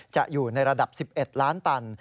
อยู่ในระดับ๑๑ล้านตัน